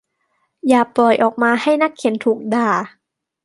อย่าปล่อยออกมาให้นักเขียนถูกด่า